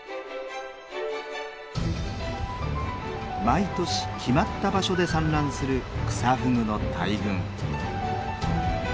毎年決まった場所で産卵するクサフグの大群。